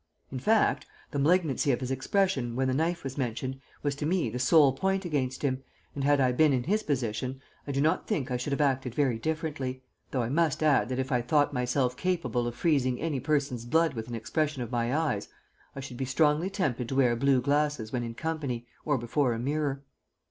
In fact, the malignancy of his expression when the knife was mentioned was to me the sole point against him, and had I been in his position I do not think I should have acted very differently, though I must add that if I thought myself capable of freezing any person's blood with an expression of my eyes I should be strongly tempted to wear blue glasses when in company or before a mirror.